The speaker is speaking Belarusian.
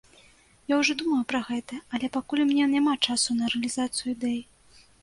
Я ўжо думаў пра гэта, але пакуль у мяне няма часу на рэалізацыю ідэй.